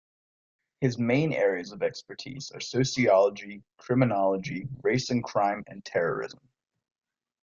His main areas of expertise are sociology, criminology, race and crime, and terrorism.